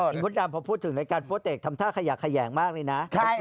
พี่มดดำพอพูดถึงในการโป๊ะแตกทำท่าขยังขยังมากนี่นะ